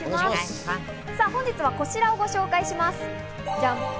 本日はこちらをご紹介します、ジャン。